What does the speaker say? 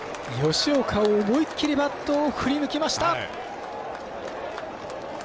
吉岡、思い切りバットを振りぬきました！